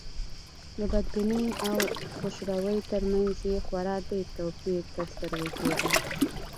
د بدبینۍ او خوشروی تر منځ یې خورا ډېر توپير تر سترګو کېده.